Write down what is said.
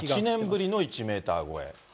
８年ぶりの１メーター超え。